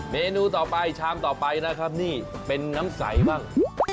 เมนูต่อไปชามต่อไปนะครับนี่เป็นน้ำใสบ้าง